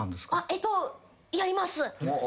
えっとやります。